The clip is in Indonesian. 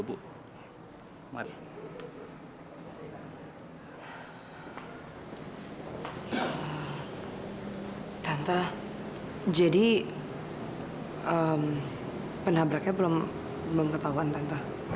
belum ketahuan tante